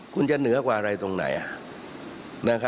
คุณจะเหนือกว่าอะไรตรงไหน